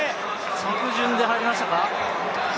着順で入りましたか？